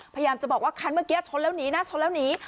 พยายามจะบอกว่าคันเมื่อกี้ชนแล้วหนีนะชนแล้วหนี